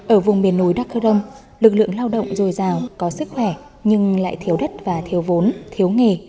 ở vùng miền núi đắk cơ rông lực lượng lao động dồi dào có sức khỏe nhưng lại thiếu đất và thiếu vốn thiếu nghề